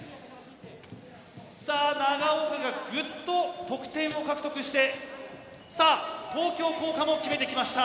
さぁ長岡がぐっと得点を獲得してさぁ東京工科も決めてきました。